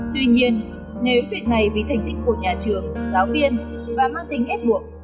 tuy nhiên nếu việc này vì thành tích của nhà trường giáo viên và mang tính ép buộc